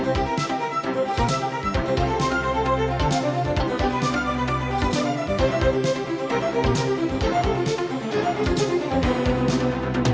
hãy đăng ký kênh để ủng hộ kênh của mình nhé